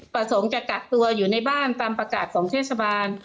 ประสงค์จะกักตัวอยู่ในบ้านตามประกาศของเทศบาล